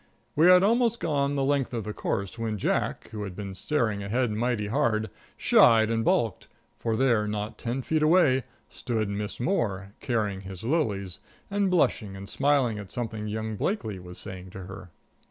We had almost gone the length of the course, when Jack, who had been staring ahead mighty hard, shied and balked, for there, not ten feet away, stood Miss Moore, carrying his lilies, and blushing and smiling at something young Blakely was saying to her.